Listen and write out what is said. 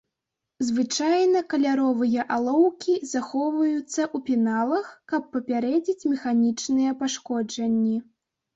Звычайна каляровыя алоўкі захоўваюцца ў пеналах, каб папярэдзіць механічныя пашкоджанні.